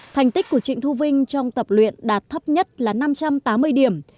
thành tích của trịnh thu vinh trong tập luyện đạt thấp nhất là năm trăm tám mươi điểm